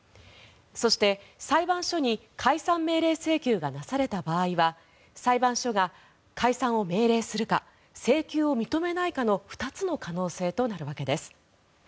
そして、裁判所に解散命令請求がなされた場合は裁判所が解散を命令するか請求を認めないかの２つの可能性となるわけです。